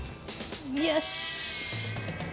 よし！